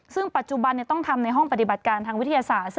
ซึ่งปัจจุบันต้องทำในห้องปฏิบัติการทางวิทยาศาสตร์